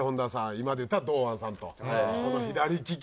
今でいったら堂安さんとこの左利き。